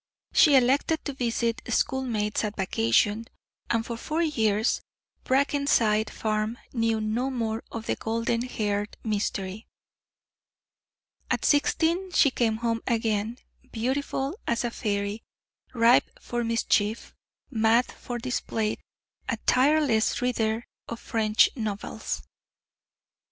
She elected to visit schoolmates at vacation, and for four years Brackenside Farm knew no more of the golden haired mystery. At sixteen she came home again, beautiful as a fairy, ripe for mischief, mad for display a tireless reader of French novels.